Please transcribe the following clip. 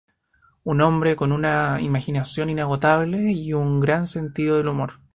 Un hombre con una imaginación inagotable y un gran sentido del humor.